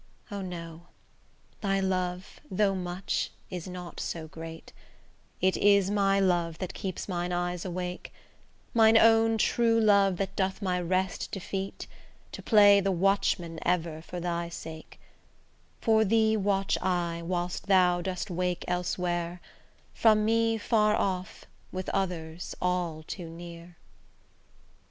O, no! thy love, though much, is not so great: It is my love that keeps mine eye awake: Mine own true love that doth my rest defeat, To play the watchman ever for thy sake: For thee watch I, whilst thou dost wake elsewhere, From me far off, with others all too near.